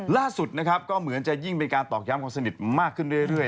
ล่าสุดมีการต้อกย้ำของสนิทมากขึ้นเรื่อย